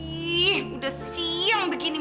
ih udah siang begini